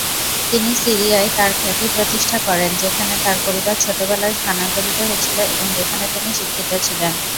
তিনি সিরিয়ায় তার খ্যাতি প্রতিষ্ঠা করেন, যেখানে তার পরিবার ছোটবেলায় স্থানান্তরিত হয়েছিল এবং যেখানে তিনি শিক্ষিত ছিলেন।